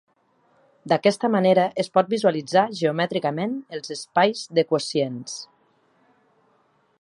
D'aquesta manera es pot visualitzar geomètricament els espais de quocients.